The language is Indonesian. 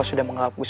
aku akan menangkapmu